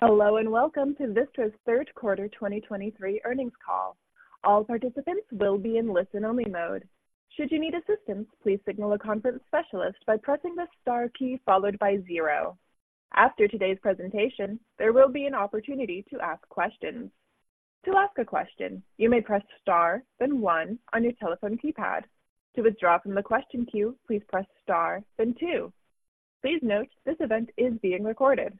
Hello, and welcome to Vistra's Q3 2023 earnings call. All participants will be in listen-only mode. Should you need assistance, please signal a conference specialist by pressing the star key followed by zero. After today's presentation, there will be an opportunity to ask questions. To ask a question, you may press star, then one on your telephone keypad. To withdraw from the question queue, please press star, then two. Please note, this event is being recorded.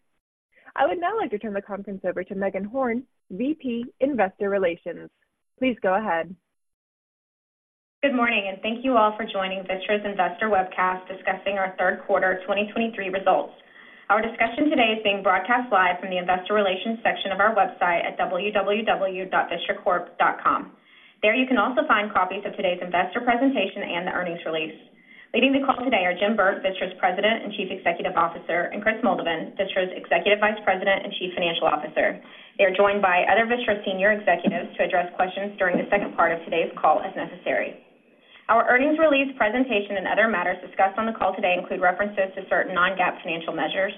I would now like to turn the conference over to Meagan Horn, VP, Investor Relations. Please go ahead. Good morning, and thank you all for joining Vistra's Investor Webcast, discussing our Q3 2023 results. Our discussion today is being broadcast live from the investor relations section of our website at www.vistracorp.com. There, you can also find copies of today's investor presentation and the earnings release. Leading the call today are Jim Burke, Vistra's President and Chief Executive Officer, and Kris Moldovan, Vistra's Executive Vice President and Chief Financial Officer. They are joined by other Vistra senior executives to address questions during the second part of today's call, as necessary. Our earnings release presentation and other matters discussed on the call today include references to certain non-GAAP financial measures.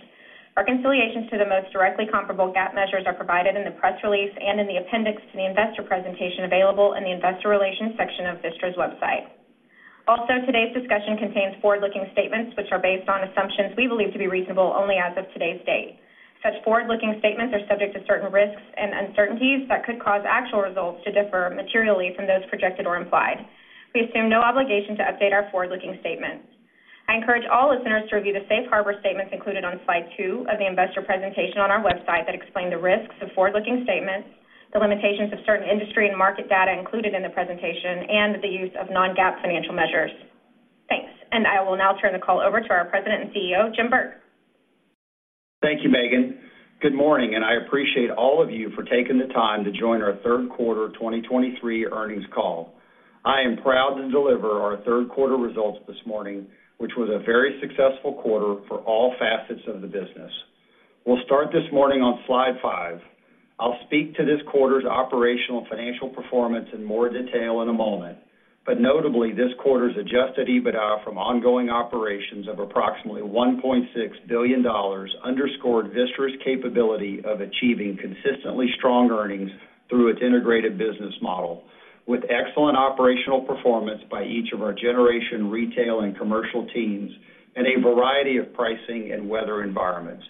Reconciliations to the most directly comparable GAAP measures are provided in the press release and in the appendix to the investor presentation available in the investor relations section of Vistra's website. Also, today's discussion contains forward-looking statements which are based on assumptions we believe to be reasonable only as of today's date. Such forward-looking statements are subject to certain risks and uncertainties that could cause actual results to differ materially from those projected or implied. We assume no obligation to update our forward-looking statements. I encourage all listeners to review the safe harbor statements included on slide two of the investor presentation on our website that explain the risks of forward-looking statements, the limitations of certain industry and market data included in the presentation, and the use of non-GAAP financial measures. Thanks, and I will now turn the call over to our President and CEO, Jim Burke. Thank you, Meagan. Good morning, and I appreciate all of you for taking the time to join our Q3 2023 earnings call. I am proud to deliver our Q3 results this morning, which was a very successful quarter for all facets of the business. We'll start this morning on slide five. I'll speak to this quarter's operational and financial performance in more detail in a moment. But notably, this quarter's Adjusted EBITDA from ongoing operations of approximately $1.6 billion underscored Vistra's capability of achieving consistently strong earnings through its integrated business model, with excellent operational performance by each of our generation, retail, and commercial teams in a variety of pricing and weather environments.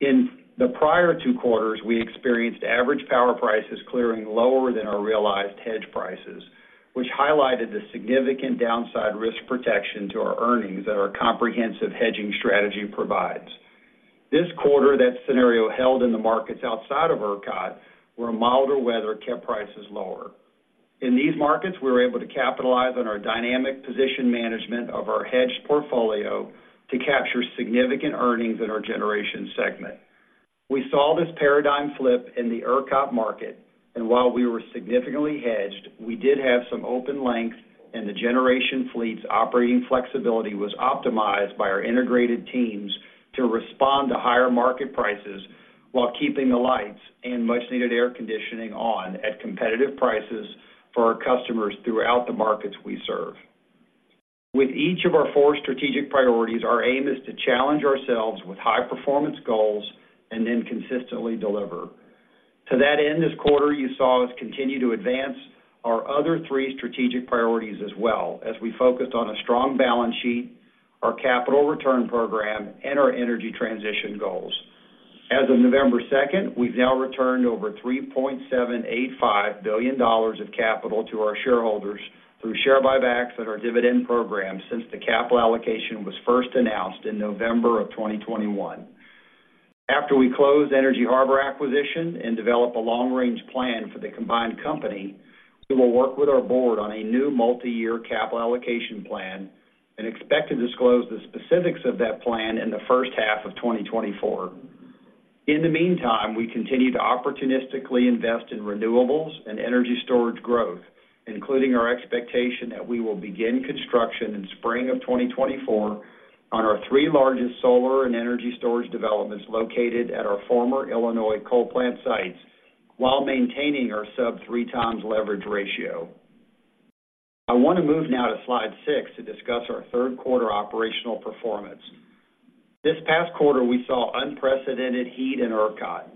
In the prior two quarters, we experienced average power prices clearing lower than our realized hedge prices, which highlighted the significant downside risk protection to our earnings that our comprehensive hedging strategy provides. This quarter, that scenario held in the markets outside of ERCOT, where milder weather kept prices lower. In these markets, we were able to capitalize on our dynamic position management of our hedged portfolio to capture significant earnings in our generation segment. We saw this paradigm flip in the ERCOT market, and while we were significantly hedged, we did have some open length, and the generation fleet's operating flexibility was optimized by our integrated teams to respond to higher market prices while keeping the lights and much-needed air conditioning on at competitive prices for our customers throughout the markets we serve. With each of our four strategic priorities, our aim is to challenge ourselves with high-performance goals and then consistently deliver. To that end, this quarter, you saw us continue to advance our other three strategic priorities as well as we focused on a strong balance sheet, our capital return program, and our energy transition goals. As of November 2, we've now returned over $3.785 billion of capital to our shareholders through share buybacks and our dividend program since the capital allocation was first announced in November 2021. After we close Energy Harbor acquisition and develop a long-range plan for the combined company, we will work with our board on a new multiyear capital allocation plan and expect to disclose the specifics of that plan in the first half of 2024. In the meantime, we continue to opportunistically invest in renewables and energy storage growth, including our expectation that we will begin construction in spring of 2024 on our three largest solar and energy storage developments located at our former Illinois coal plant sites, while maintaining our sub-3x leverage ratio. I want to move now to slide six to discuss our Q3 operational performance. This past quarter, we saw unprecedented heat in ERCOT.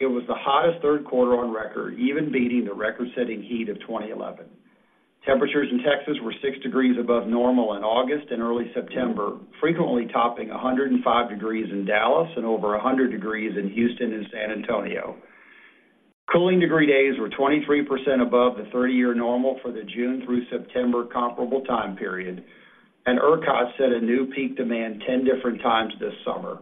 It was the hottest Q3 on record, even beating the record-setting heat of 2011. Temperatures in Texas were six degrees above normal in August and early September, frequently topping 105 degrees in Dallas and over 100 degrees in Houston and San Antonio. Cooling degree days were 23% above the 30-year normal for the June through September comparable time period, and ERCOT set a new peak demand 10 different times this summer.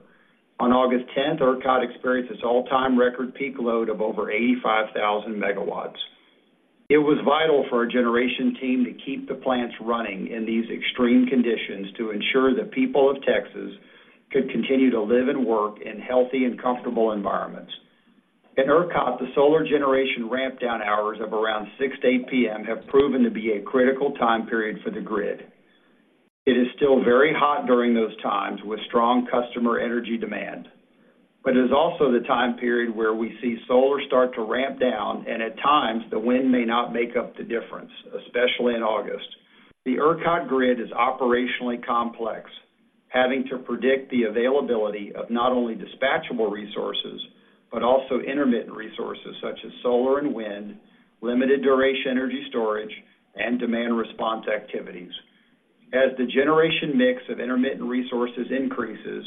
On August tenth, ERCOT experienced its all-time record peak load of over 85,000 megawatts. It was vital for our generation team to keep the plants running in these extreme conditions to ensure the people of Texas could continue to live and work in healthy and comfortable environments. At ERCOT, the solar generation ramp-down hours of around six to eight P.M. have proven to be a critical time period for the grid. It is still very hot during those times, with strong customer energy demand. But it is also the time period where we see solar start to ramp down, and at times, the wind may not make up the difference, especially in August... The ERCOT grid is operationally complex, having to predict the availability of not only dispatchable resources, but also intermittent resources, such as solar and wind, limited duration energy storage, and demand response activities. As the generation mix of intermittent resources increases,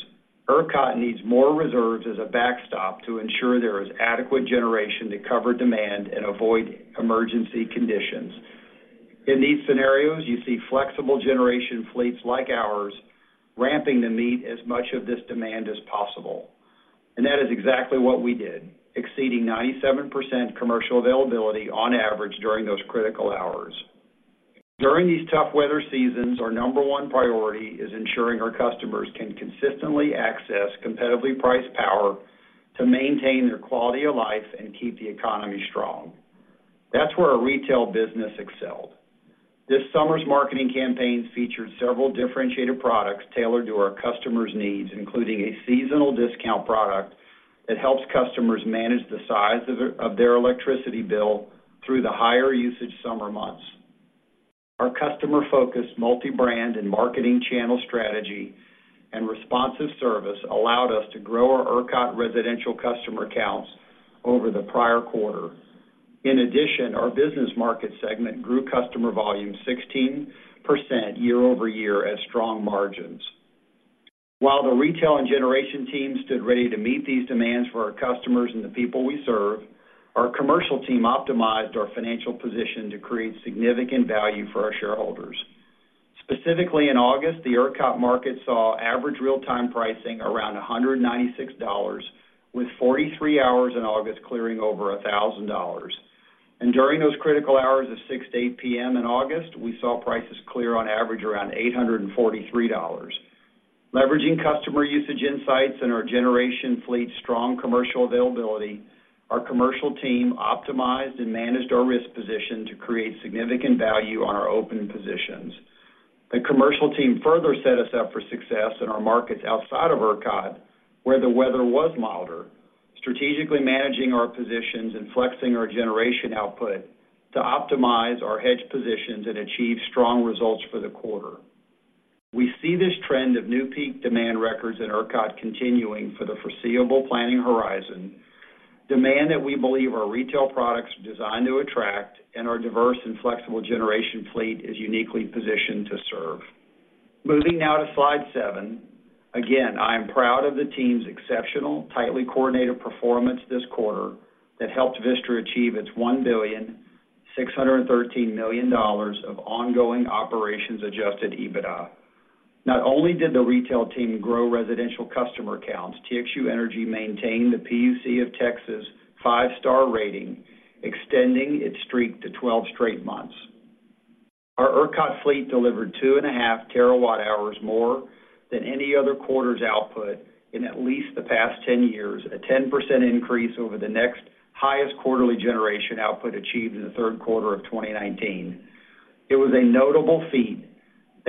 ERCOT needs more reserves as a backstop to ensure there is adequate generation to cover demand and avoid emergency conditions. In these scenarios, you see flexible generation fleets like ours, ramping to meet as much of this demand as possible. And that is exactly what we did, exceeding 97% commercial availability on average during those critical hours. During these tough weather seasons, our number one priority is ensuring our customers can consistently access competitively priced power to maintain their quality of life and keep the economy strong. That's where our retail business excelled. This summer's marketing campaign featured several differentiated products tailored to our customers' needs, including a seasonal discount product that helps customers manage the size of their electricity bill through the higher usage summer months. Our customer-focused multi-brand and marketing channel strategy and responsive service allowed us to grow our ERCOT residential customer accounts over the prior quarter. In addition, our business market segment grew customer volume 16% year-over-year at strong margins. While the retail and generation team stood ready to meet these demands for our customers and the people we serve, our commercial team optimized our financial position to create significant value for our shareholders. Specifically, in August, the ERCOT market saw average real-time pricing around $196, with 43 hours in August clearing over $1,000. During those critical hours of six to eight P.M. in August, we saw prices clear on average around $843. Leveraging customer usage insights and our generation fleet's strong commercial availability, our commercial team optimized and managed our risk position to create significant value on our open positions. The commercial team further set us up for success in our markets outside of ERCOT, where the weather was milder, strategically managing our positions and flexing our generation output to optimize our hedge positions and achieve strong results for the quarter. We see this trend of new peak demand records in ERCOT continuing for the foreseeable planning horizon, demand that we believe our retail products are designed to attract and our diverse and flexible generation fleet is uniquely positioned to serve. Moving now to slide seven, again, I am proud of the team's exceptional, tightly coordinated performance this quarter, that helped Vistra achieve its $1.613 billion of ongoing operations Adjusted EBITDA. Not only did the retail team grow residential customer accounts, TXU Energy maintained the PUC of Texas five-star rating, extending its streak to 12 straight months. Our ERCOT fleet delivered 2.5 TWh more than any other quarter's output in at least the past 10 years, a 10% increase over the next highest quarterly generation output achieved in the Q3 of 2019. It was a notable feat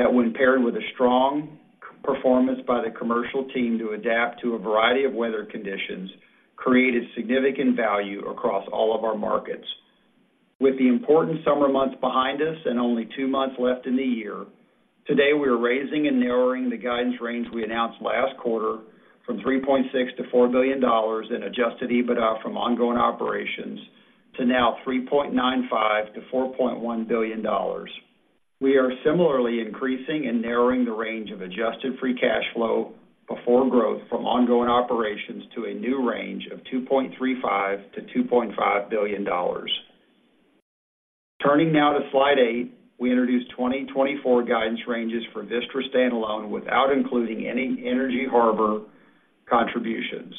that when paired with a strong performance by the commercial team to adapt to a variety of weather conditions, created significant value across all of our markets. With the important summer months behind us and only two months left in the year, today, we are raising and narrowing the guidance range we announced last quarter from $3.6 billion - $4 billion in Adjusted EBITDA from ongoing operations to now $3.95 billion to $4.1 billion. We are similarly increasing and narrowing the range of Adjusted Free Cash Flow Before Growth from ongoing operations to a new range of $2.35 billion - $2.5 billion. Turning now to slide eight, we introduced 2024 guidance ranges for Vistra standalone without including any Energy Harbor contributions.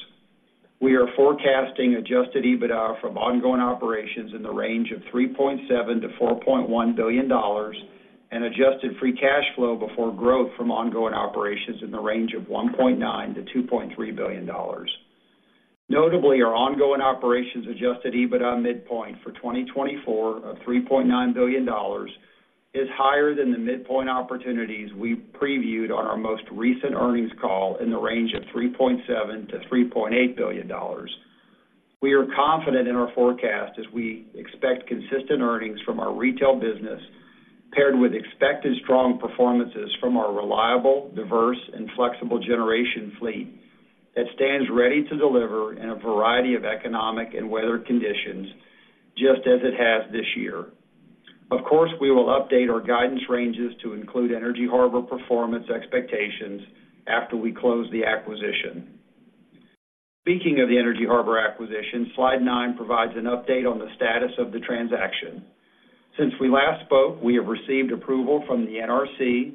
We are forecasting Adjusted EBITDA from ongoing operations in the range of $3.7 billion - $4.1 billion, and Adjusted Free Cash Flow Before Growth from ongoing operations in the range of $1.9 billion-$2.3 billion. Notably, our ongoing operations Adjusted EBITDA midpoint for 2024 of $3.9 billion, is higher than the midpoint opportunities we previewed on our most recent earnings call in the range of $3.7 billion-$3.8 billion. We are confident in our forecast as we expect consistent earnings from our retail business, paired with expected strong performances from our reliable, diverse, and flexible generation fleet, that stands ready to deliver in a variety of economic and weather conditions, just as it has this year. Of course, we will update our guidance ranges to include Energy Harbor performance expectations after we close the acquisition. Speaking of the Energy Harbor acquisition, slide nine provides an update on the status of the transaction. Since we last spoke, we have received approval from the NRC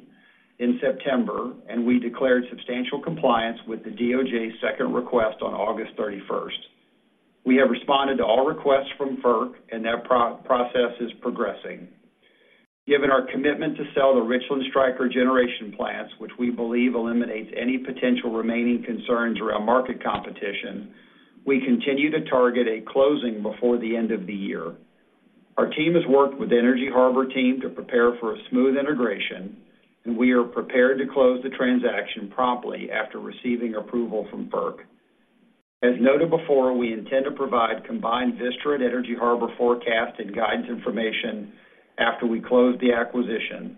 in September, and we declared substantial compliance with the DOJ's second request on August 31. We have responded to all requests from FERC, and that process is progressing. Given our commitment to sell the Richland and Stryker generation plants, which we believe eliminates any potential remaining concerns around market competition, we continue to target a closing before the end of the year. Our team has worked with the Energy Harbor team to prepare for a smooth integration, and we are prepared to close the transaction promptly after receiving approval from FERC. As noted before, we intend to provide combined Vistra and Energy Harbor forecast and guidance information after we close the acquisition.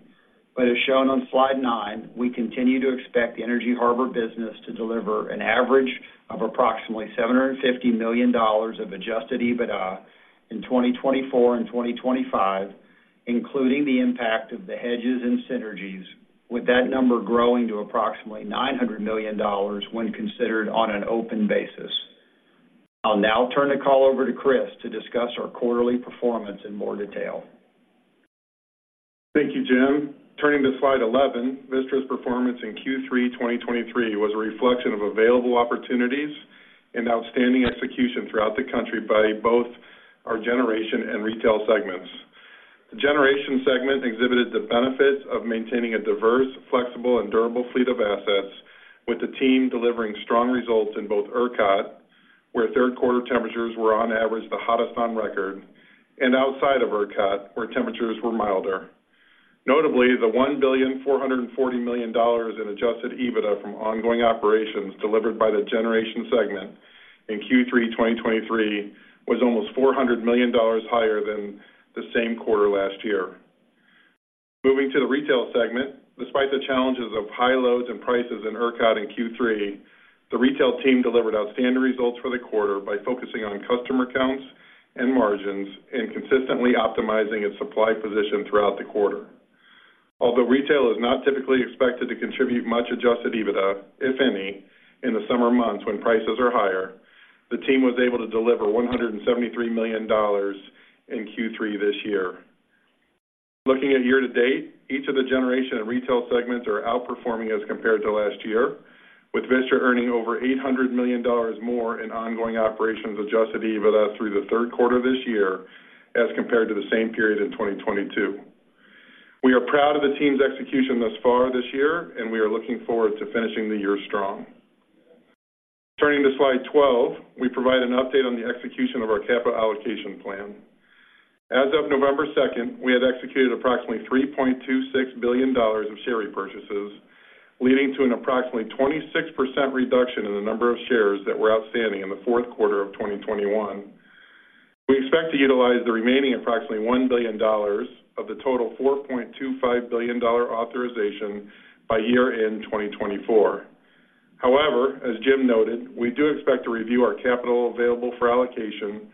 But as shown on slide nine, we continue to expect the Energy Harbor business to deliver an average of approximately $750 million of Adjusted EBITDA in 2024 and 2025, including the impact of the hedges and synergies, with that number growing to approximately $900 million when considered on an open basis. I'll now turn the call over to Kris to discuss our quarterly performance in more detail. Thank you, Jim. Turning to slide 11, Vistra's performance in Q3 2023 was a reflection of available opportunities and outstanding execution throughout the country by both our generation and retail segments. The generation segment exhibited the benefits of maintaining a diverse, flexible, and durable fleet of assets, with the team delivering strong results in both ERCOT, where Q3 temperatures were on average, the hottest on record, and outside of ERCOT, where temperatures were milder. Notably, the $1.44 billion in Adjusted EBITDA from ongoing operations delivered by the generation segment in Q3 2023 was almost $400 million higher than the same quarter last year. Moving to the retail segment, despite the challenges of high loads and prices in ERCOT in Q3, the retail team delivered outstanding results for the quarter by focusing on customer counts and margins, and consistently optimizing its supply position throughout the quarter. Although retail is not typically expected to contribute much Adjusted EBITDA, if any, in the summer months when prices are higher, the team was able to deliver $173 million in Q3 this year. Looking at year to date, each of the generation and retail segments are outperforming as compared to last year, with Vistra earning over $800 million more in ongoing operations Adjusted EBITDA through the Q3 this year as compared to the same period in 2022. We are proud of the team's execution thus far this year, and we are looking forward to finishing the year strong. Turning to slide 12, we provide an update on the execution of our capital allocation plan. As of November 2, we had executed approximately $3.26 billion of share repurchases, leading to an approximately 26% reduction in the number of shares that were outstanding in the Q4 of 2021. We expect to utilize the remaining approximately $1 billion of the total $4.25 billion authorization by year-end 2024. However, as Jim noted, we do expect to review our capital available for allocation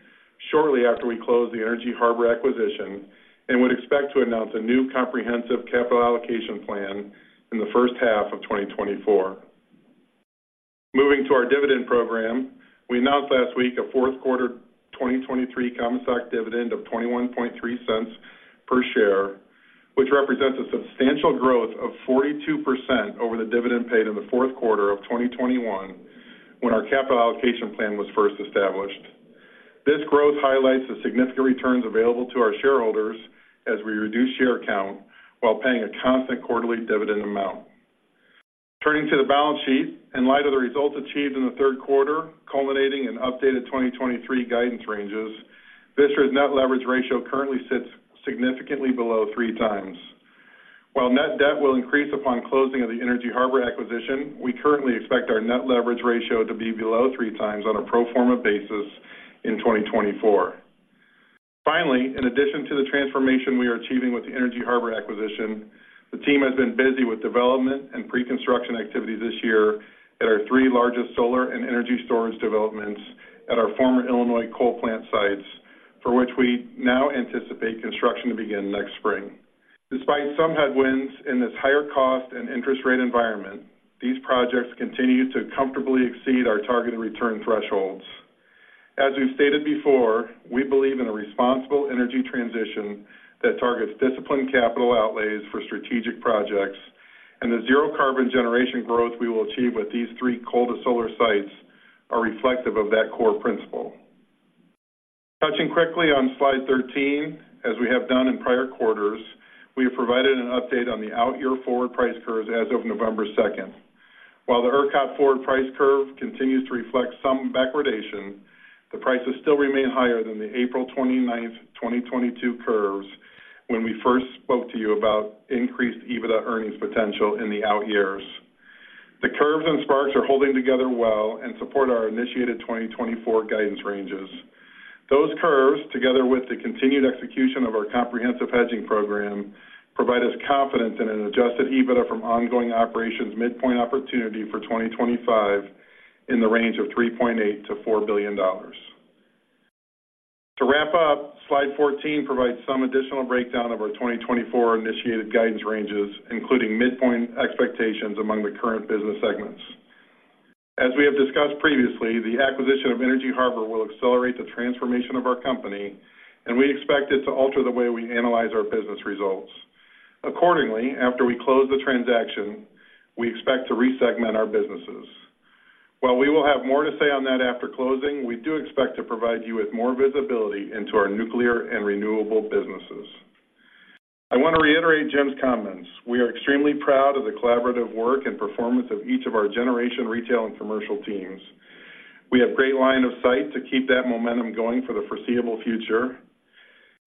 shortly after we close the Energy Harbor acquisition and would expect to announce a new comprehensive capital allocation plan in the first half of 2024. Moving to our dividend program, we announced last week a Q4 2023 common stock dividend of $0.213 per share, which represents a substantial growth of 42% over the dividend paid in the Q4 of 2021, when our capital allocation plan was first established. This growth highlights the significant returns available to our shareholders as we reduce share count while paying a constant quarterly dividend amount. Turning to the balance sheet, in light of the results achieved in the Q3, culminating in updated 2023 guidance ranges, Vistra's net leverage ratio currently sits significantly below 3x. While net debt will increase upon closing of the Energy Harbor acquisition, we currently expect our net leverage ratio to be below 3x on a pro forma basis in 2024. Finally, in addition to the transformation we are achieving with the Energy Harbor acquisition, the team has been busy with development and pre-construction activities this year at our three largest solar and energy storage developments at our former Illinois coal plant sites, for which we now anticipate construction to begin next spring. Despite some headwinds in this higher cost and interest rate environment, these projects continue to comfortably exceed our targeted return thresholds. As we've stated before, we believe in a responsible energy transition that targets disciplined capital outlays for strategic projects, and the zero carbon generation growth we will achieve with these three coal-to-solar sites are reflective of that core principle. Touching quickly on slide 13, as we have done in prior quarters, we have provided an update on the out year forward price curves as of November second. While the ERCOT forward price curve continues to reflect some backwardation, the prices still remain higher than the April 29, 2022 curves, when we first spoke to you about increased EBITDA earnings potential in the out years. The curves and sparks are holding together well and support our initiated 2024 guidance ranges. Those curves, together with the continued execution of our comprehensive hedging program, provide us confidence in an Adjusted EBITDA from ongoing operations midpoint opportunity for 2025 in the range of $3.8 billion-$4 billion. To wrap up, slide 14 provides some additional breakdown of our 2024 initiated guidance ranges, including midpoint expectations among the current business segments. As we have discussed previously, the acquisition of Energy Harbor will accelerate the transformation of our company, and we expect it to alter the way we analyze our business results. Accordingly, after we close the transaction, we expect to re-segment our businesses. While we will have more to say on that after closing, we do expect to provide you with more visibility into our nuclear and renewable businesses. I want to reiterate Jim's comments. We are extremely proud of the collaborative work and performance of each of our generation, retail, and commercial teams. We have great line of sight to keep that momentum going for the foreseeable future...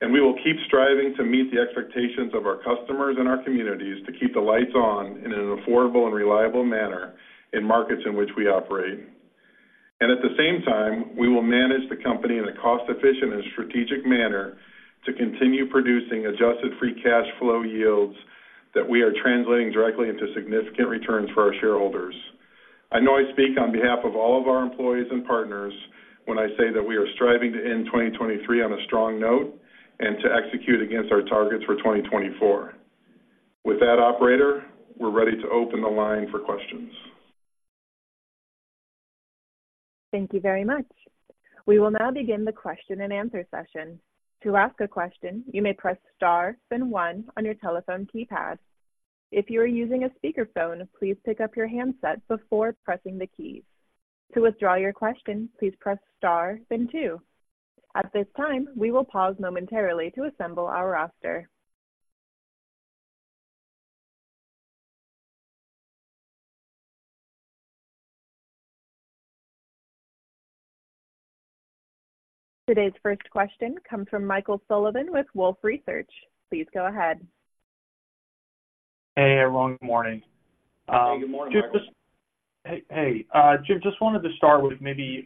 and we will keep striving to meet the expectations of our customers and our communities to keep the lights on in an affordable and reliable manner in markets in which we operate. At the same time, we will manage the company in a cost-efficient and strategic manner to continue producing Adjusted Free Cash Flow yields that we are translating directly into significant returns for our shareholders. I know I speak on behalf of all of our employees and partners when I say that we are striving to end 2023 on a strong note and to execute against our targets for 2024. With that, operator, we're ready to open the line for questions. Thank you very much. We will now begin the question-and-answer session. To ask a question, you may press star then one on your telephone keypad. If you are using a speakerphone, please pick up your handset before pressing the keys. To withdraw your question, please press star then two. At this time, we will pause momentarily to assemble our roster. Today's first question comes from Michael Sullivan with Wolfe Research. Please go ahead. Hey, everyone. Good morning. Good morning, Michael. Hey, Jim, just wanted to start with maybe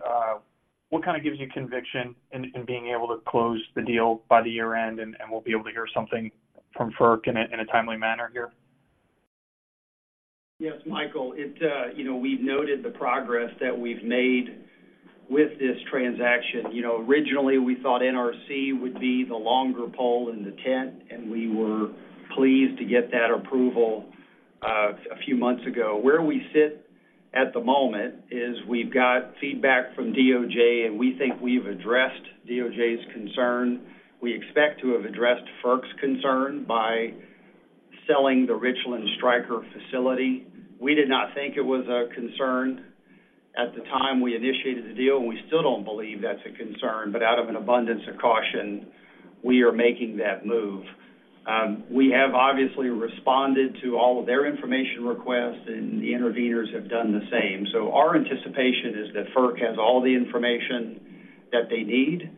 what kind of gives you conviction in being able to close the deal by the year-end, and we'll be able to hear something from FERC in a timely manner here? Yes, Michael, it, you know, we've noted the progress that we've made with this transaction. You know, originally, we thought NRC would be the longer pole in the tent, and we were pleased to get that approval a few months ago. Where we sit at the moment is we've got feedback from DOJ, and we think we've addressed DOJ's concern. We expect to have addressed FERC's concern by selling the Richland and Stryker facilities. We did not think it was a concern at the time we initiated the deal, and we still don't believe that's a concern, but out of an abundance of caution, we are making that move. We have obviously responded to all of their information requests, and the interveners have done the same. So our anticipation is that FERC has all the information that they need.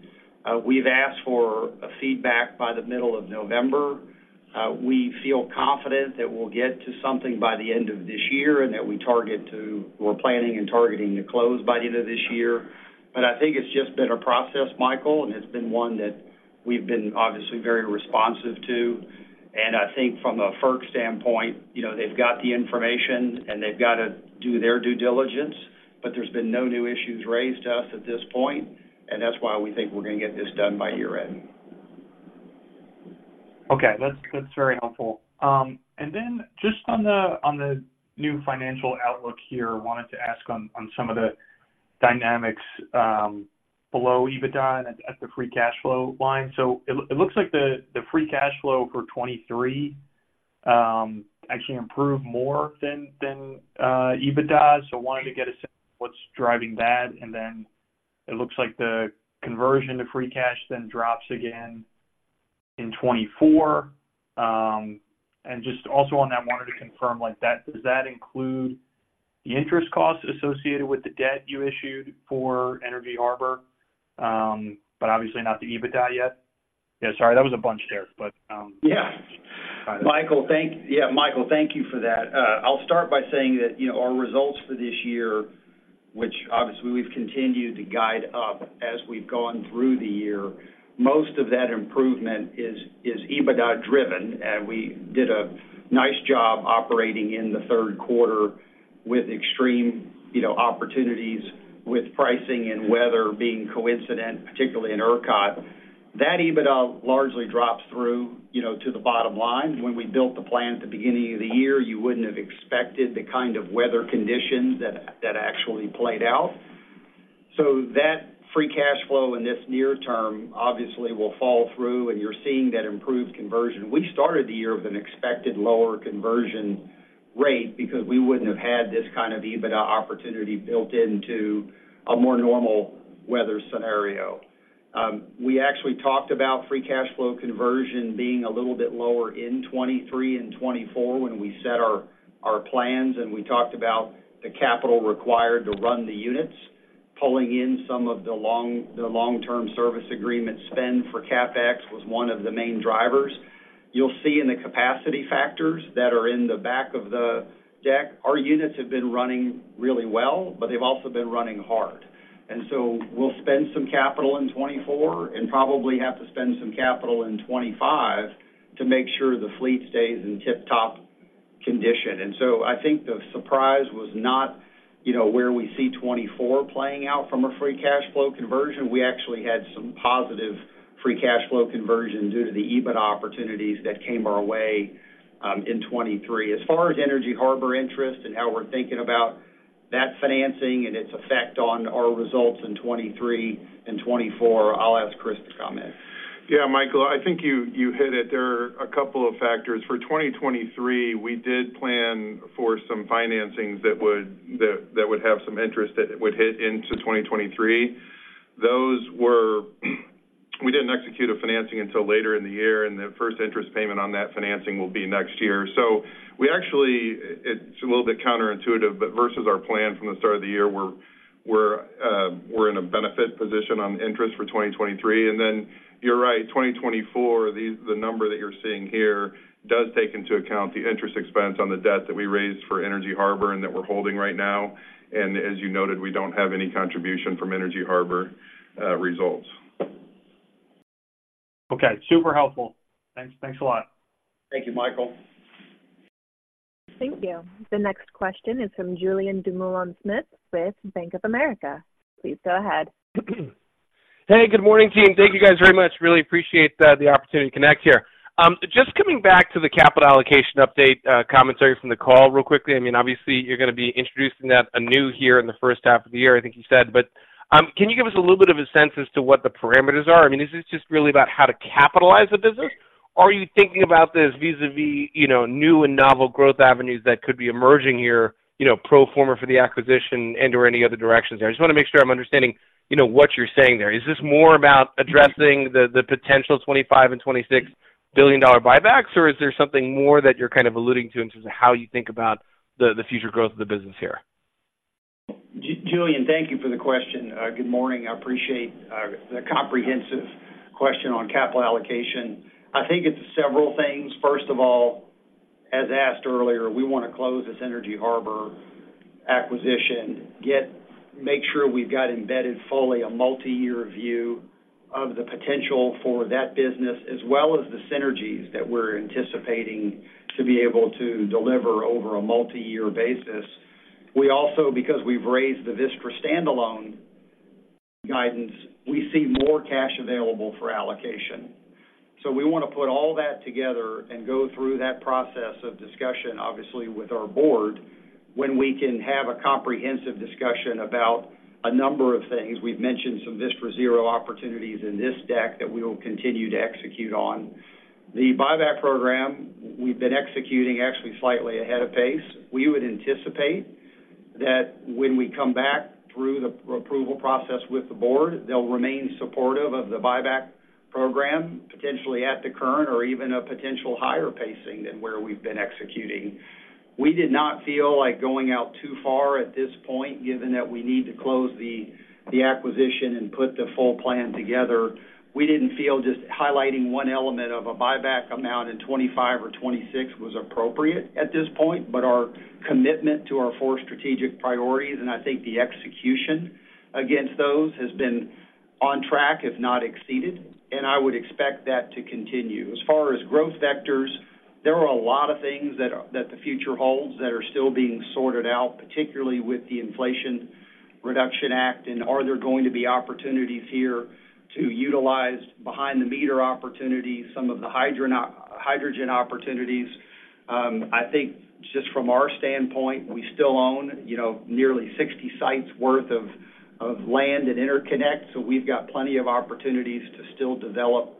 We've asked for a feedback by the middle of November. We feel confident that we'll get to something by the end of this year and that we're planning and targeting to close by the end of this year. But I think it's just been a process, Michael, and it's been one that we've been obviously very responsive to. And I think from a FERC standpoint, you know, they've got the information, and they've got to do their due diligence, but there's been no new issues raised to us at this point, and that's why we think we're going to get this done by year-end. Okay, that's, that's very helpful. And then just on the new financial outlook here, wanted to ask on some of the dynamics below EBITDA and at the free cash flow line. So it looks like the free cash flow for 2023 actually improved more than EBITDA. So wanted to get a sense of what's driving that, and then it looks like the conversion to free cash then drops again in 2024. And just also on that, wanted to confirm, like, that does that include the interest costs associated with the debt you issued for Energy Harbor, but obviously not the EBITDA yet? Yeah, sorry, that was a bunch there, but. Yeah. Michael, thank you for that. I'll start by saying that, you know, our results for this year, which obviously we've continued to guide up as we've gone through the year, most of that improvement is EBITDA driven, and we did a nice job operating in the Q3 with extreme, you know, opportunities, with pricing and weather being coincident, particularly in ERCOT. That EBITDA largely drops through, you know, to the bottom line. When we built the plan at the beginning of the year, you wouldn't have expected the kind of weather conditions that actually played out. So that free cash flow in this near term obviously will fall through, and you're seeing that improved conversion. We started the year with an expected lower conversion rate because we wouldn't have had this kind of EBITDA opportunity built into a more normal weather scenario. We actually talked about free cash flow conversion being a little bit lower in 2023 and 2024 when we set our plans, and we talked about the capital required to run the units. Pulling in some of the long-term service agreement spend for CapEx was one of the main drivers. You'll see in the capacity factors that are in the back of the deck, our units have been running really well, but they've also been running hard. And so we'll spend some capital in 2024 and probably have to spend some capital in 2025 to make sure the fleet stays in tip-top condition. And so I think the surprise was not, you know, where we see 2024 playing out from a free cash flow conversion. We actually had some positive free cash flow conversion due to the EBITDA opportunities that came our way in 2023. As far as Energy Harbor interest and how we're thinking about that financing and its effect on our results in 2023 and 2024, I'll ask Kris to comment. Yeah, Michael, I think you, you hit it. There are a couple of factors. For 2023, we did plan for some financings that would have some interest that would hit into 2023. Those were, we didn't execute a financing until later in the year, and the first interest payment on that financing will be next year. So we actually, it's a little bit counterintuitive, but versus our plan from the start of the year, we're... we're, we're in a benefit position on interest for 2023. And then you're right, 2024, the number that you're seeing here does take into account the interest expense on the debt that we raised for Energy Harbor and that we're holding right now. And as you noted, we don't have any contribution from Energy Harbor results. Okay, super helpful. Thanks. Thanks a lot. Thank you, Michael. Thank you. The next question is from Julien Dumoulin-Smith with Bank of America. Please go ahead. Hey, good morning, team. Thank you guys very much. Really appreciate the, the opportunity to connect here. Just coming back to the capital allocation update, commentary from the call real quickly. I mean, obviously, you're going to be introducing that anew here in the first half of the year, I think you said. But, can you give us a little bit of a sense as to what the parameters are? I mean, is this just really about how to capitalize the business, or are you thinking about this vis-à-vis, you know, new and novel growth avenues that could be emerging here, you know, pro forma for the acquisition and or any other directions there? I just want to make sure I'm understanding, you know, what you're saying there. Is this more about addressing the potential $25 billion and $26 billion buybacks, or is there something more that you're kind of alluding to in terms of how you think about the future growth of the business here? Julien, thank you for the question. Good morning. I appreciate the comprehensive question on capital allocation. I think it's several things. First of all, as asked earlier, we want to close this Energy Harbor acquisition, make sure we've got embedded fully a multi-year view of the potential for that business, as well as the synergies that we're anticipating to be able to deliver over a multi-year basis. We also, because we've raised the Vistra standalone guidance, we see more cash available for allocation. So we want to put all that together and go through that process of discussion, obviously, with our board, when we can have a comprehensive discussion about a number of things. We've mentioned some Vistra Zero opportunities in this deck that we will continue to execute on. The buyback program, we've been executing actually slightly ahead of pace. We would anticipate that when we come back through the approval process with the board, they'll remain supportive of the buyback program, potentially at the current or even a potential higher pacing than where we've been executing. We did not feel like going out too far at this point, given that we need to close the acquisition and put the full plan together. We didn't feel just highlighting one element of a buyback amount in 2025 or 2026 was appropriate at this point, but our commitment to our four strategic priorities, and I think the execution against those, has been on track, if not exceeded, and I would expect that to continue. As far as growth vectors, there are a lot of things that the future holds that are still being sorted out, particularly with the Inflation Reduction Act and are there going to be opportunities here to utilize behind the meter opportunities, some of the hydrogen opportunities? I think just from our standpoint, we still own, you know, nearly 60 sites worth of land and interconnect. So we've got plenty of opportunities to still develop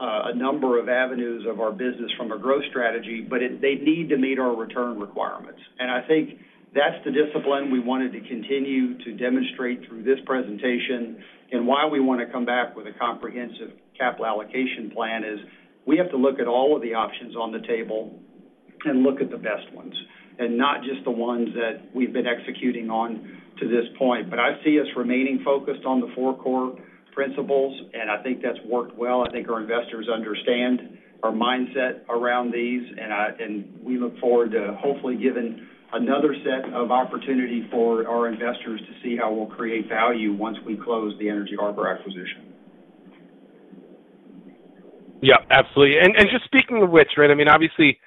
a number of avenues of our business from a growth strategy, but they need to meet our return requirements. And I think that's the discipline we wanted to continue to demonstrate through this presentation. Why we want to come back with a comprehensive capital allocation plan is we have to look at all of the options on the table and look at the best ones, and not just the ones that we've been executing on to this point. I see us remaining focused on the four core principles, and I think that's worked well. I think our investors understand our mindset around these, and we look forward to hopefully giving another set of opportunity for our investors to see how we'll create value once we close the Energy Harbor acquisition. Yeah, absolutely. And just speaking of which, right, I mean, obviously,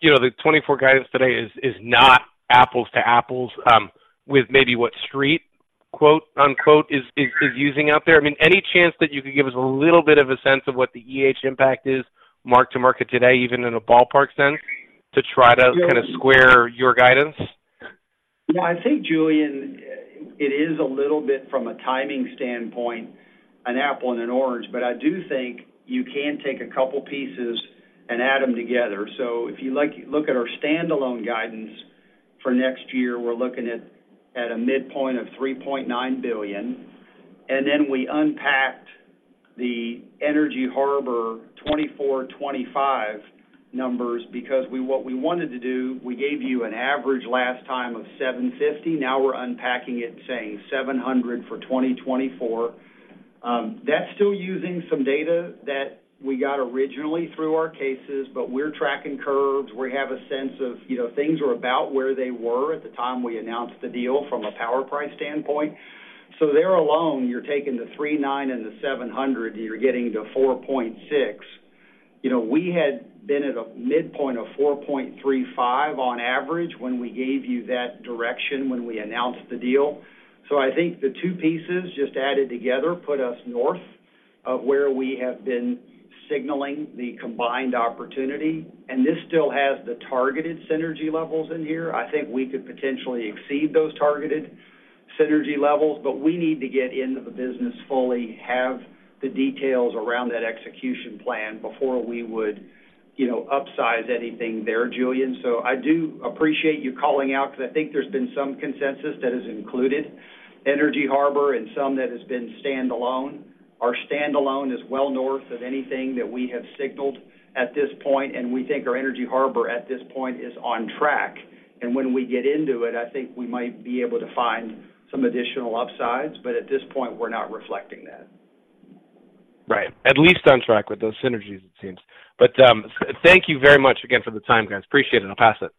you know, the 2024 guidance today is not apples to apples with maybe what Street, quote-unquote, "is using out there." I mean, any chance that you could give us a little bit of a sense of what the EH impact is, mark to market today, even in a ballpark sense, to try to kind of square your guidance? Yeah, I think, Julien, it is a little bit from a timing standpoint, an apple and an orange, but I do think you can take a couple pieces and add them together. So if you like, look at our standalone guidance for next year, we're looking at a midpoint of $3.9 billion, and then we unpacked the Energy Harbor 2024, 2025 numbers because we—what we wanted to do, we gave you an average last time of $750 million. Now we're unpacking it and saying $700 million for 2024. That's still using some data that we got originally through our cases, but we're tracking curves. We have a sense of, you know, things are about where they were at the time we announced the deal from a power price standpoint. So there alone, you're taking the 3.9 and the 700, and you're getting to 4.6. You know, we had been at a midpoint of 4.35 on average when we gave you that direction when we announced the deal. So I think the two pieces just added together put us north of where we have been signaling the combined opportunity, and this still has the targeted synergy levels in here. I think we could potentially exceed those targeted synergy levels, but we need to get into the business fully, have the details around that execution plan before we would, you know, upsize anything there, Julien. So I do appreciate you calling out, because I think there's been some consensus that is included... Energy Harbor and some that has been standalone. Our standalone is well north of anything that we have signaled at this point, and we think our Energy Harbor at this point is on track. When we get into it, I think we might be able to find some additional upsides, but at this point, we're not reflecting that. Right. At least on track with those synergies, it seems. But, thank you very much again for the time, guys. Appreciate it. I'll pass it.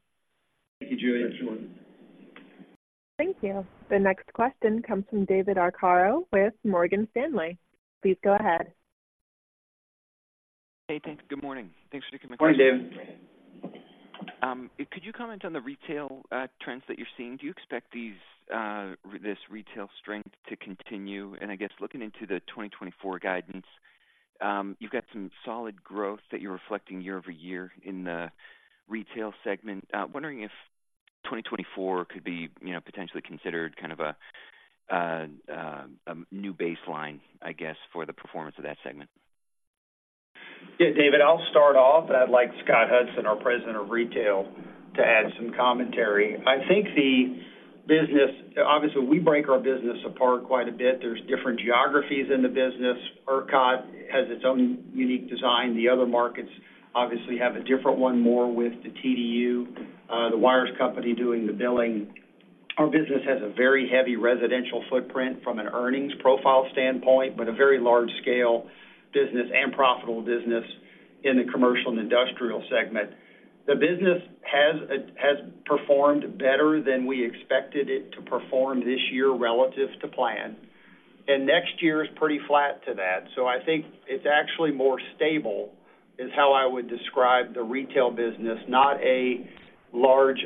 Thank you, Julien. Thank you. The next question comes from David Arcaro with Morgan Stanley. Please go ahead. Hey, thanks. Good morning. Thanks for taking my question. Good morning, David. Could you comment on the retail trends that you're seeing? Do you expect these this retail strength to continue? And I guess looking into the 2024 guidance, you've got some solid growth that you're reflecting year over year in the retail segment. Wondering if 2024 could be, you know, potentially considered kind of a a new baseline, I guess, for the performance of that segment. Yeah, David, I'll start off. I'd like Scott Hudson, our President of Retail, to add some commentary. I think the business, obviously, we break our business apart quite a bit. There's different geographies in the business. ERCOT has its own unique design. The other markets obviously have a different one, more with the TDU, the wires company doing the billing. Our business has a very heavy residential footprint from an earnings profile standpoint, but a very large-scale business and profitable business in the commercial and industrial segment. The business has performed better than we expected it to perform this year relative to plan, and next year is pretty flat to that. So I think it's actually more stable, is how I would describe the retail business, not a large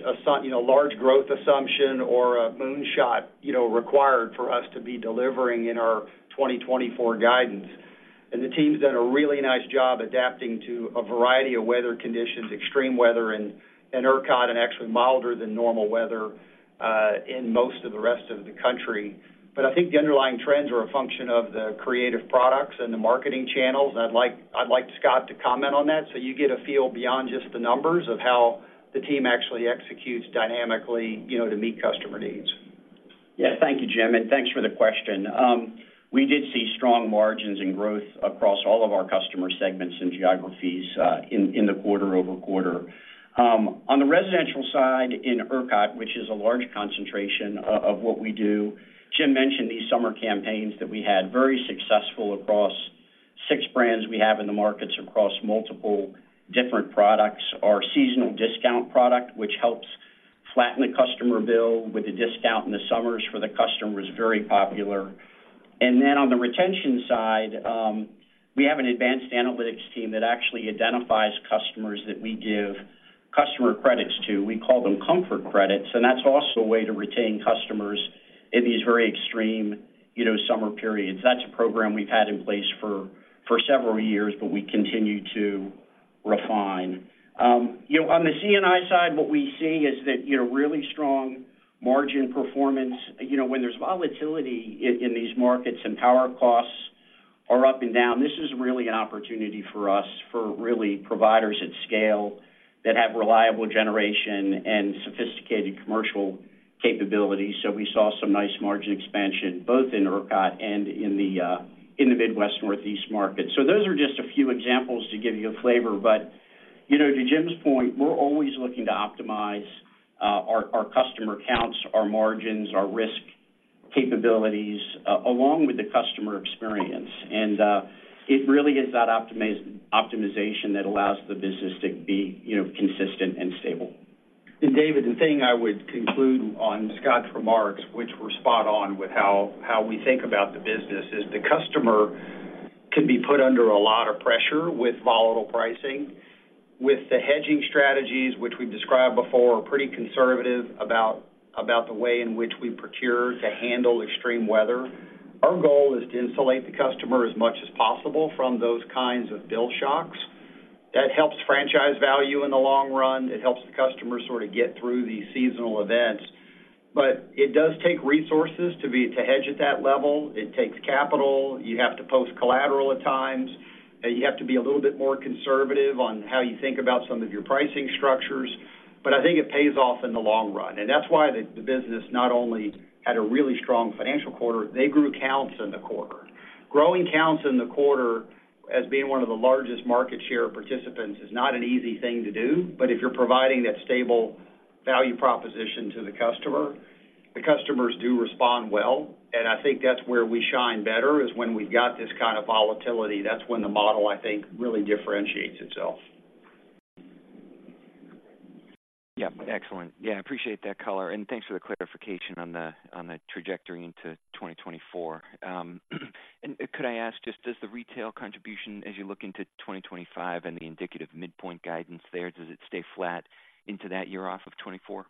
you know, large growth assumption or a moonshot, you know, required for us to be delivering in our 2024 guidance. And the team's done a really nice job adapting to a variety of weather conditions, extreme weather in ERCOT, and actually milder than normal weather in most of the rest of the country. But I think the underlying trends are a function of the creative products and the marketing channels. I'd like, I'd like Scott to comment on that so you get a feel beyond just the numbers of how the team actually executes dynamically, you know, to meet customer needs. Yeah. Thank you, Jim, and thanks for the question. We did see strong margins and growth across all of our customer segments and geographies in the quarter-over-quarter. On the residential side in ERCOT, which is a large concentration of what we do, Jim mentioned these summer campaigns that we had, very successful across six brands we have in the markets, across multiple different products. Our seasonal discount product, which helps flatten the customer bill with a discount in the summers for the customer, is very popular. And then on the retention side, we have an advanced analytics team that actually identifies customers that we give customer credits to. We call them comfort credits, and that's also a way to retain customers in these very extreme, you know, summer periods. That's a program we've had in place for several years, but we continue to refine. You know, on the C&I side, what we see is that, you know, really strong margin performance. You know, when there's volatility in these markets and power costs are up and down, this is really an opportunity for us, for really providers at scale that have reliable generation and sophisticated commercial capabilities. So we saw some nice margin expansion, both in ERCOT and in the Midwest-Northeast market. So those are just a few examples to give you a flavor, but, you know, to Jim's point, we're always looking to optimize our customer counts, our margins, our risk capabilities, along with the customer experience. And it really is that optimization that allows the business to be, you know, consistent and stable. David, the thing I would conclude on Scott's remarks, which were spot on with how we think about the business, is the customer can be put under a lot of pressure with volatile pricing. With the hedging strategies, which we've described before, are pretty conservative about the way in which we procure to handle extreme weather. Our goal is to insulate the customer as much as possible from those kinds of bill shocks. That helps franchise value in the long run. It helps the customer sort of get through the seasonal events. But it does take resources to hedge at that level. It takes capital. You have to post collateral at times, and you have to be a little bit more conservative on how you think about some of your pricing structures, but I think it pays off in the long run. And that's why the business not only had a really strong financial quarter, they grew counts in the quarter. Growing counts in the quarter as being one of the largest market share participants is not an easy thing to do, but if you're providing that stable value proposition to the customer, the customers do respond well, and I think that's where we shine better, is when we've got this kind of volatility. That's when the model, I think, really differentiates itself. Yeah. Excellent. Yeah, I appreciate that color, and thanks for the clarification on the trajectory into 2024. And could I ask, just does the retail contribution as you look into 2025 and the indicative midpoint guidance there, does it stay flat into that year off of 2024?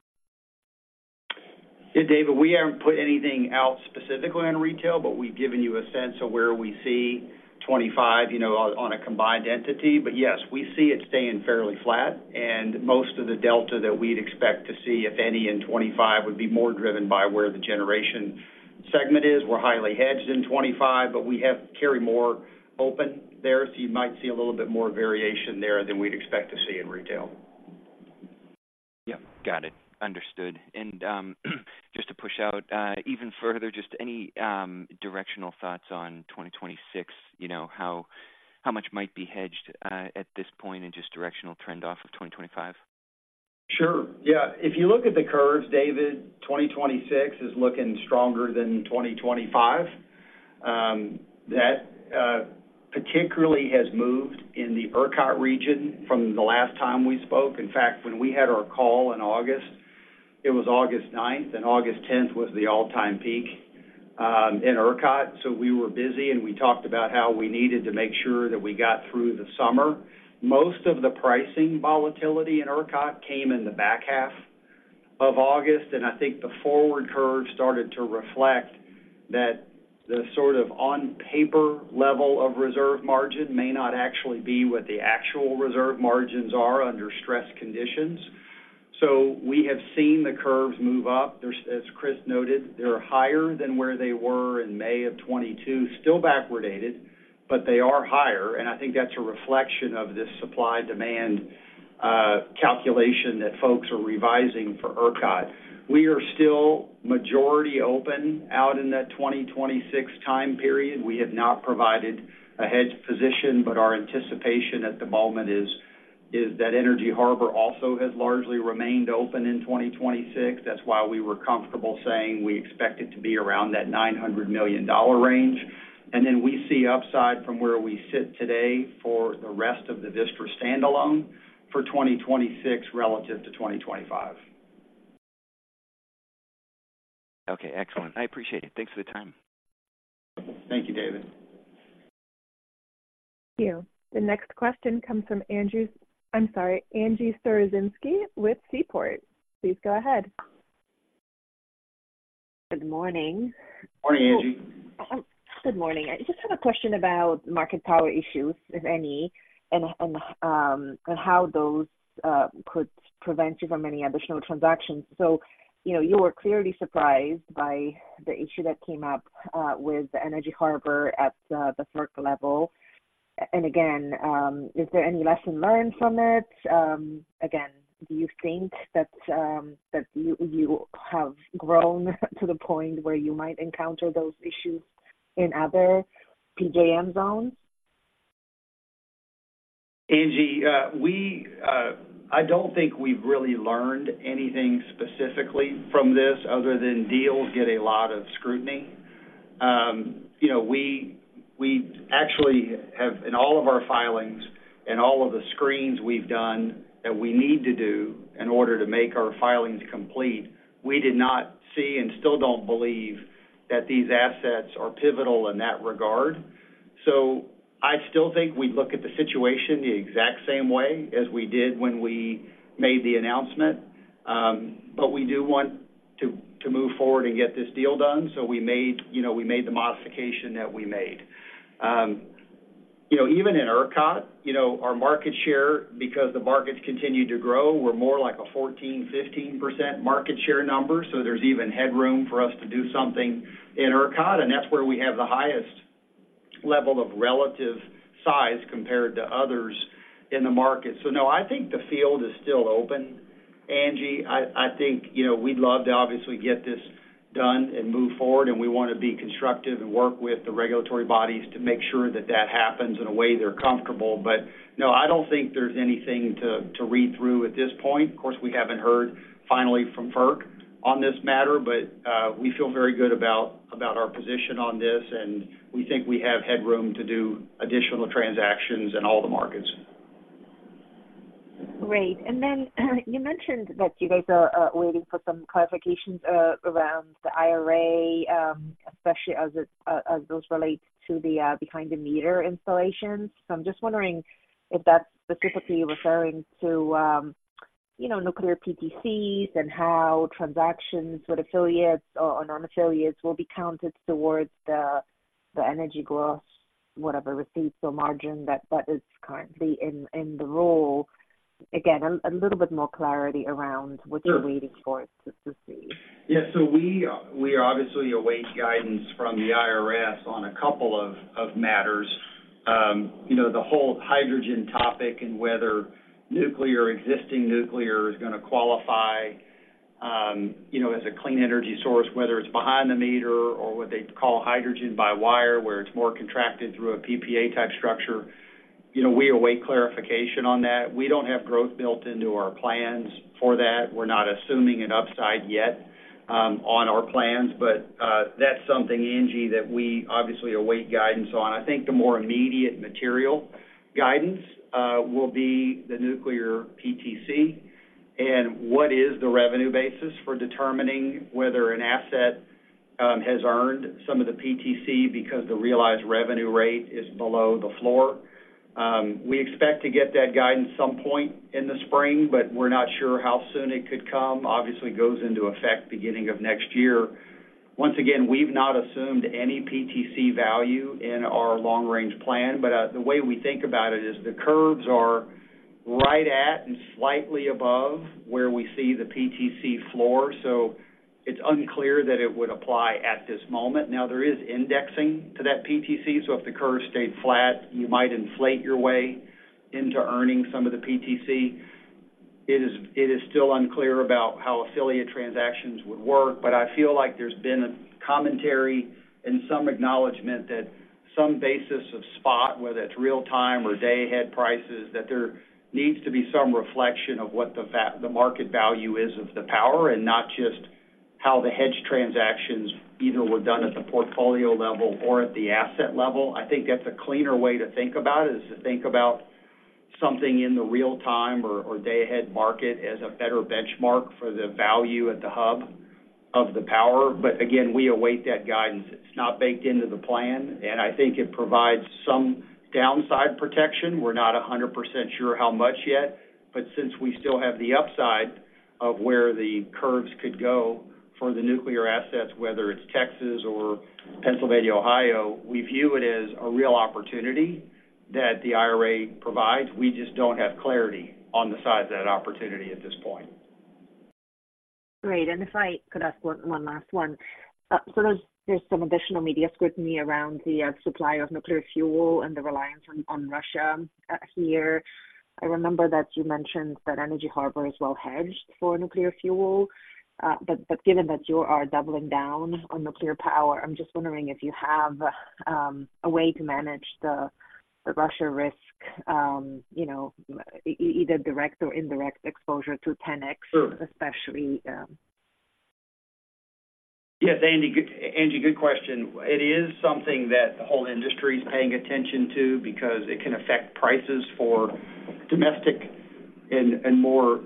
Yeah, David, we haven't put anything out specifically on retail, but we've given you a sense of where we see 2025, you know, on a combined entity. But yes, we see it staying fairly flat, and most of the delta that we'd expect to see, if any, in 2025, would be more driven by where the generation segment is. We're highly hedged in 2025, but we have to carry more open there, so you might see a little bit more variation there than we'd expect to see in retail.... Yep, got it. Understood. And just to push out even further, just any directional thoughts on 2026? You know, how much might be hedged at this point and just directional trend off of 2025? Sure. Yeah. If you look at the curves, David, 2026 is looking stronger than 2025. That particularly has moved in the ERCOT region from the last time we spoke. In fact, when we had our call in August, it was August 9, and August 10 was the all-time peak in ERCOT. So we were busy, and we talked about how we needed to make sure that we got through the summer. Most of the pricing volatility in ERCOT came in the back half of August, and I think the forward curve started to reflect that the sort of on-paper level of reserve margin may not actually be what the actual reserve margins are under stress conditions. So we have seen the curves move up. There's, as Chris noted, they're higher than where they were in May of 2022. Still backwardated, but they are higher, and I think that's a reflection of this supply-demand calculation that folks are revising for ERCOT. We are still majority open out in that 2026 time period. We have not provided a hedge position, but our anticipation at the moment is that Energy Harbor also has largely remained open in 2026. That's why we were comfortable saying we expect it to be around that $900 million range. And then we see upside from where we sit today for the rest of the Vistra standalone for 2026 relative to 2025. Okay, excellent. I appreciate it. Thanks for the time. Thank you, David. Thank you. The next question comes from Andrew-- I'm sorry, Angie Storozynski with Seaport. Please go ahead. Good morning. Morning, Angie. Good morning. I just have a question about market power issues, if any, and how those could prevent you from any additional transactions. So, you know, you were clearly surprised by the issue that came up with Energy Harbor at the FERC level. And again, is there any lesson learned from it? Again, do you think that you have grown to the point where you might encounter those issues in other PJM zones? Angie, I don't think we've really learned anything specifically from this other than deals get a lot of scrutiny. You know, we actually have, in all of our filings and all of the screens we've done that we need to do in order to make our filings complete, we did not see and still don't believe that these assets are pivotal in that regard. So I still think we look at the situation the exact same way as we did when we made the announcement. But we do want to move forward and get this deal done, so we made, you know, the modification that we made. You know, even in ERCOT, you know, our market share, because the markets continue to grow, we're more like a 14-15% market share number, so there's even headroom for us to do something in ERCOT, and that's where we have the highest level of relative size compared to others in the market. So no, I think the field is still open, Angie. I, I think, you know, we'd love to obviously get this done and move forward, and we want to be constructive and work with the regulatory bodies to make sure that that happens in a way they're comfortable. But no, I don't think there's anything to, to read through at this point. Of course, we haven't heard finally from FERC on this matter, but, we feel very good about our position on this, and we think we have headroom to do additional transactions in all the markets. Great. And then, you mentioned that you guys are waiting for some clarifications around the IRA, especially as those relate to the behind the meter installations. So I'm just wondering if that's specifically referring to you know, nuclear PTCs and how transactions with affiliates or non-affiliates will be counted towards the energy growth, whatever, receipts or margin that is currently in the rule. Again, a little bit more clarity around what you're waiting for to see. Yeah. So we obviously await guidance from the IRS on a couple of matters. You know, the whole hydrogen topic and whether nuclear, existing nuclear is going to qualify, you know, as a clean energy source, whether it's behind the meter or what they call hydrogen by wire, where it's more contracted through a PPA-type structure. You know, we await clarification on that. We don't have growth built into our plans for that. We're not assuming an upside yet, on our plans. But that's something, Angie, that we obviously await guidance on. I think the more immediate material guidance will be the nuclear PTC and what is the revenue basis for determining whether an asset has earned some of the PTC because the realized revenue rate is below the floor. We expect to get that guidance some point in the spring, but we're not sure how soon it could come. Obviously, it goes into effect beginning of next year. Once again, we've not assumed any PTC value in our long-range plan, but the way we think about it is the curves are right at and slightly above where we see the PTC floor. So... It's unclear that it would apply at this moment. Now, there is indexing to that PTC, so if the curve stayed flat, you might inflate your way into earning some of the PTC. It is, it is still unclear about how affiliate transactions would work, but I feel like there's been a commentary and some acknowledgment that some basis of spot, whether it's real time or day ahead prices, that there needs to be some reflection of what the market value is of the power, and not just how the hedge transactions either were done at the portfolio level or at the asset level. I think that's a cleaner way to think about it, is to think about something in the real time or, or day ahead market as a better benchmark for the value at the hub of the power. But again, we await that guidance. It's not baked into the plan, and I think it provides some downside protection. We're not 100% sure how much yet, but since we still have the upside of where the curves could go for the nuclear assets, whether it's Texas or Pennsylvania, Ohio, we view it as a real opportunity that the IRA provides. We just don't have clarity on the size of that opportunity at this point. Great. And if I could ask one last one. So there's some additional media scrutiny around the supply of nuclear fuel and the reliance on Russia here. I remember that you mentioned that Energy Harbor is well hedged for nuclear fuel. But given that you are doubling down on nuclear power, I'm just wondering if you have a way to manage the Russia risk, you know, either direct or indirect exposure to Tenex, especially? Yes, Angie, good—Angie, good question. It is something that the whole industry is paying attention to because it can affect prices for domestic and more,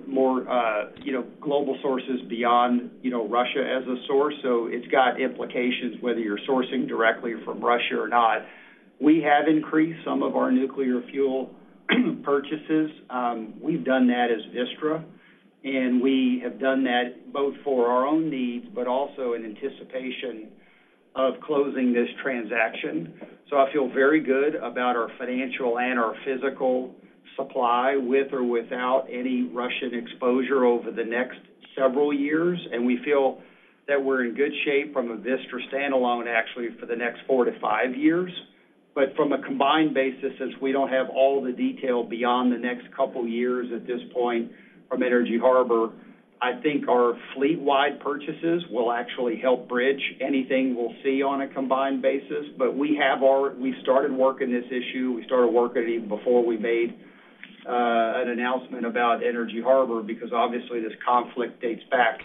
you know, global sources beyond, you know, Russia as a source. So it's got implications whether you're sourcing directly from Russia or not. We have increased some of our nuclear fuel purchases. We've done that as Vistra, and we have done that both for our own needs, but also in anticipation of closing this transaction. So I feel very good about our financial and our physical supply, with or without any Russian exposure over the next several years. And we feel that we're in good shape from a Vistra standalone, actually, for the next four-five years. But from a combined basis, since we don't have all the detail beyond the next couple of years at this point from Energy Harbor, I think our fleet-wide purchases will actually help bridge anything we'll see on a combined basis. But we have our—we started working this issue. We started working even before we made an announcement about Energy Harbor, because obviously, this conflict dates back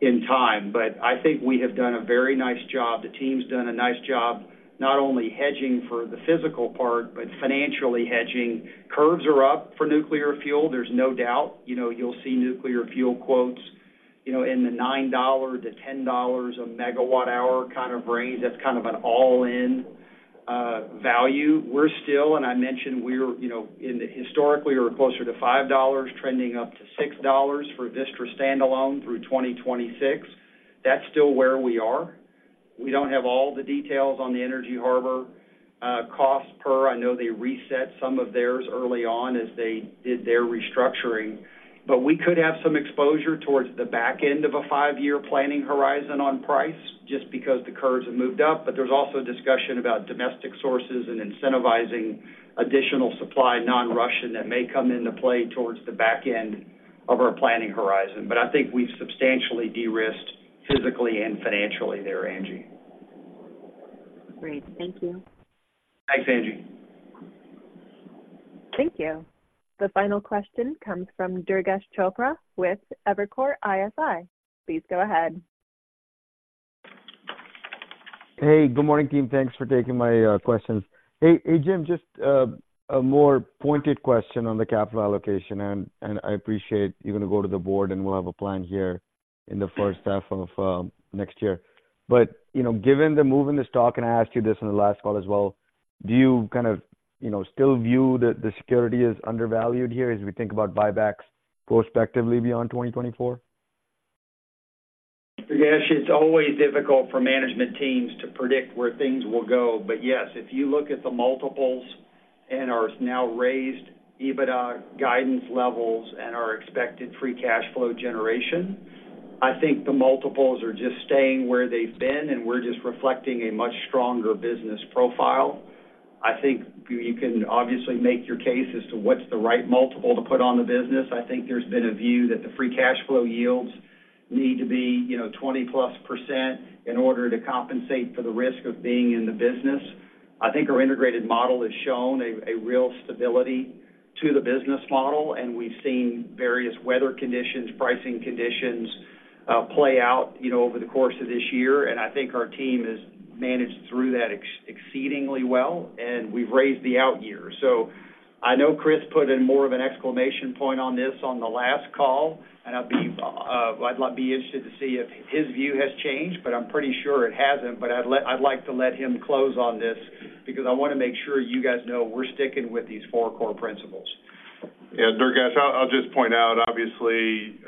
in time. But I think we have done a very nice job. The team's done a nice job, not only hedging for the physical part, but financially hedging. Curves are up for nuclear fuel. There's no doubt. You know, you'll see nuclear fuel quotes, you know, in the $9-$10 a megawatt hour kind of range. That's kind of an all-in value. We're still, and I mentioned we're, you know, historically, we're closer to $5, trending up to $6 for Vistra standalone through 2026. That's still where we are. We don't have all the details on the Energy Harbor cost per. I know they reset some of theirs early on as they did their restructuring. But we could have some exposure towards the back end of a five-year planning horizon on price, just because the curves have moved up. But there's also discussion about domestic sources and incentivizing additional supply, non-Russian, that may come into play towards the back end of our planning horizon. But I think we've substantially de-risked physically and financially there, Angie. Great. Thank you. Thanks, Angie. Thank you. The final question comes from Durgesh Chopra with Evercore ISI. Please go ahead. Hey, good morning, team. Thanks for taking my questions. Hey, hey, Jim, just a more pointed question on the capital allocation, and, and I appreciate you're going to go to the board, and we'll have a plan here in the first half of next year. But, you know, given the move in the stock, and I asked you this on the last call as well: do you kind of, you know, still view the, the security as undervalued here as we think about buybacks prospectively beyond 2024? Yes, it's always difficult for management teams to predict where things will go. But yes, if you look at the multiples and our now raised EBITDA guidance levels and our expected free cash flow generation, I think the multiples are just staying where they've been, and we're just reflecting a much stronger business profile. I think you can obviously make your case as to what's the right multiple to put on the business. I think there's been a view that the free cash flow yields need to be, you know, 20%+ in order to compensate for the risk of being in the business. I think our integrated model has shown a real stability to the business model, and we've seen various weather conditions, pricing conditions, play out, you know, over the course of this year. And I think our team has managed through that exceedingly well, and we've raised the out year. So I know Kris put in more of an exclamation point on this on the last call, and I'd be interested to see if his view has changed, but I'm pretty sure it hasn't. But I'd like to let him close on this, because I want to make sure you guys know we're sticking with these four core principles. Yeah, Durgesh, I'll just point out, obviously,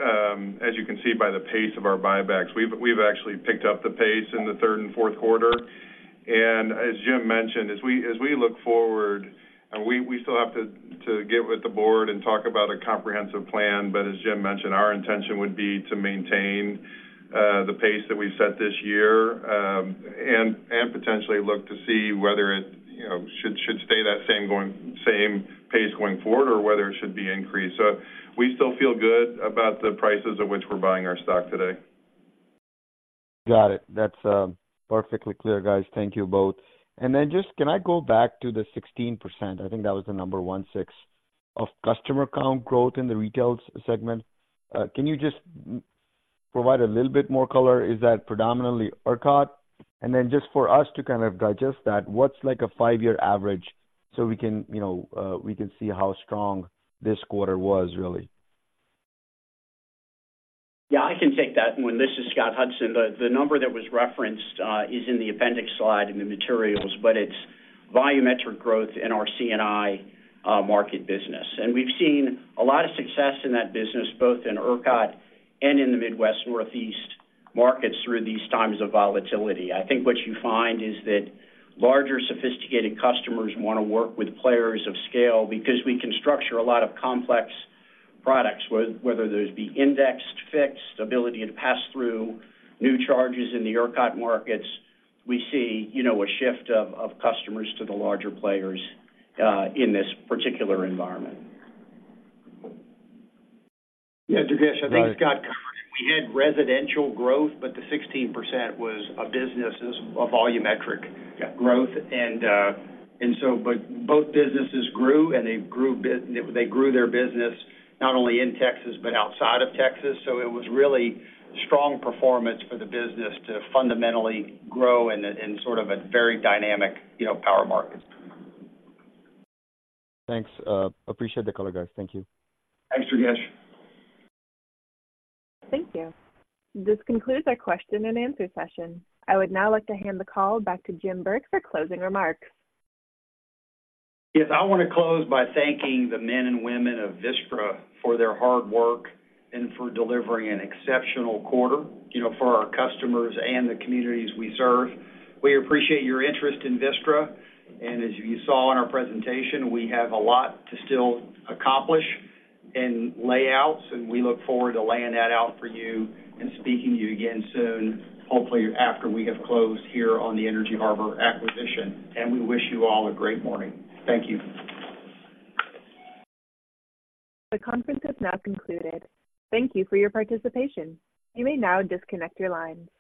as you can see by the pace of our buybacks, we've actually picked up the pace in the Q3 and Q4. As Jim mentioned, as we look forward and we still have to get with the board and talk about a comprehensive plan. But as Jim mentioned, our intention would be to maintain the pace that we've set this year, and potentially look to see whether it, you know, should stay that same pace going forward or whether it should be increased. So we still feel good about the prices at which we're buying our stock today. Got it. That's perfectly clear, guys. Thank you both. And then just, can I go back to the 16%? I think that was the number 16 of customer count growth in the retail segment. Can you just provide a little bit more color? Is that predominantly ERCOT? And then just for us to kind of digest that, what's like a five-year average so we can, you know, we can see how strong this quarter was, really? Yeah, I can take that one. This is Scott Hudson. The number that was referenced is in the appendix slide in the materials, but it's volumetric growth in our C&I market business. And we've seen a lot of success in that business, both in ERCOT and in the Midwest, Northeast markets through these times of volatility. I think what you find is that larger, sophisticated customers want to work with players of scale because we can structure a lot of complex products, whether those be indexed, fixed, ability to pass through new charges in the ERCOT markets. We see, you know, a shift of customers to the larger players in this particular environment. Yeah, Durgesh, I think, Scott, we had residential growth, but the 16% was a business, a volumetric growth. Yeah. But both businesses grew, and they grew their business not only in Texas, but outside of Texas. So it was really strong performance for the business to fundamentally grow in a sort of very dynamic, you know, power market. Thanks. Appreciate the color, guys. Thank you. Thanks, Durgesh. Thank you. This concludes our question and answer session. I would now like to hand the call back to Jim Burke for closing remarks. Yes, I want to close by thanking the men and women of Vistra for their hard work and for delivering an exceptional quarter, you know, for our customers and the communities we serve. We appreciate your interest in Vistra, and as you saw in our presentation, we have a lot to still accomplish and lay out, so we look forward to laying that out for you and speaking to you again soon, hopefully after we have closed here on the Energy Harbor acquisition, and we wish you all a great morning. Thank you. The conference is now concluded. Thank you for your participation. You may now disconnect your line.